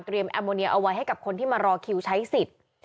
แอมโมเนียเอาไว้ให้กับคนที่มารอคิวใช้สิทธิ์